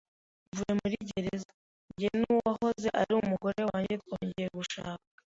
Mvuye muri gereza, jye n'uwahoze ari umugore wanjye twongeye gushaka.